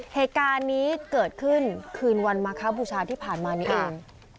เหตุการณ์นี้เกิดขึ้นคืนวันมาคบูชาที่ผ่านมานี้เอง